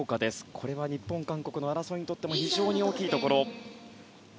これは日本、韓国の争いにとっても非常に大きいところ。